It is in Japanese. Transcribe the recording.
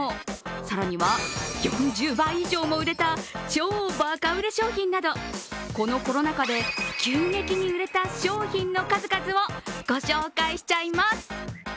さらには４０倍以上も売れた超ばか売れ商品などこのコロナ禍で急激に売れた商品の数々をご紹介しちゃいます。